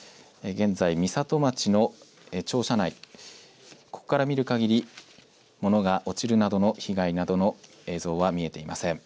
現在美里町の庁舎内、ここから見る限り、物が落ちるなどの被害などの映像は見えていません。